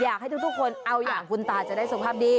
อยากให้ทุกคนเอาอย่างคุณตาจะได้สุขภาพดี